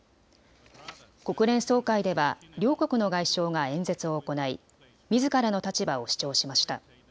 国連総会では両国の外相が演説を行い、みずからの立場を主張しました。